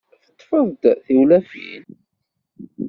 Teṭṭfeḍ-d tiwlafin?